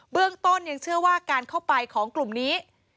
เรื่องต้นยังเชื่อว่าการเข้าไปของกลุ่มนี้